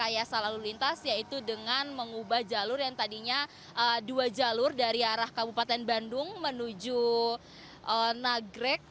rekayasa lalu lintas yaitu dengan mengubah jalur yang tadinya dua jalur dari arah kabupaten bandung menuju nagrek